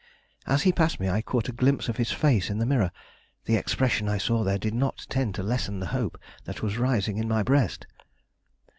As he passed me I caught a glimpse of his face in the mirror. The expression I saw there did not tend to lessen the hope that was rising in my breast.